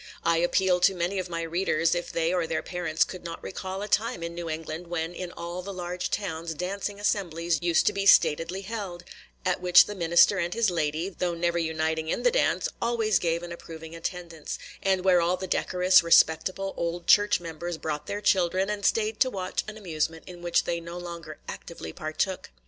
I appeal to many of my readers, if they or their parents could not recall a time in New England when in all the large towns dancing assemblies used to be statedly held, at which the minister and his lady, though never uniting in the dance, always gave an approving attendance, and where all the decorous, respectable old church members brought their children, and stayed to watch an amusement in which they no longer actively partook.